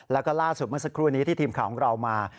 แล้วก็ล่าสุดเมื่อสักครู่นี้ที่ทีมข่าวของเรามา